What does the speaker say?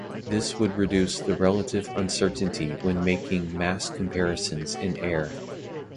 This would reduce the relative uncertainty when making mass comparisons in air.